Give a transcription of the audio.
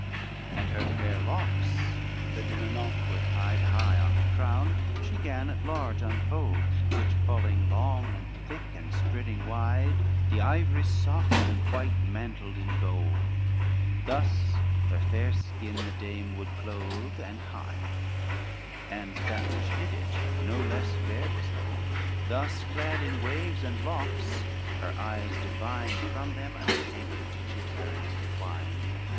LXI And her fair locks, that in a knot were tied High on her crown, she 'gan at large unfold; Which falling long and thick and spreading wide, The ivory soft and white mantled in gold: Thus her fair skin the dame would clothe and hide, And that which hid it no less fair was hold; Thus clad in waves and locks, her eyes divine, From them ashamed did she turn and twine.